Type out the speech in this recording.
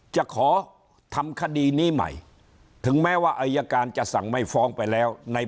จะขอทำคดีนี้ใหม่ถึงแม้ว่าอายการจะสั่งไม่ฟ้องไปแล้วใน